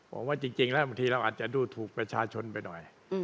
ผมว่าจริงแล้วบางทีเราอาจจะดูถูกประชาชนไปหน่อย